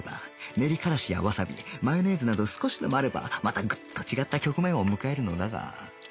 練りからしやわさびマヨネーズなど少しでもあればまたグッと違った局面を迎えるのだが